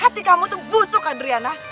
hati kamu tuh busuk adriana